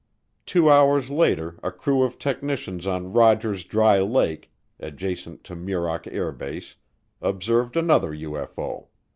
Two hours later a crew of technicians on Rogers Dry Lake, adjacent to Muroc Air Base, observed another UFO.